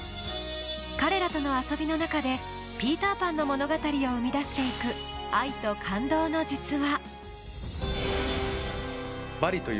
彼らとの遊びの中で「ピーターパン」の物語を生み出していく愛と感動の実話。